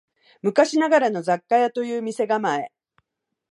昔ながらの雑貨屋という店構え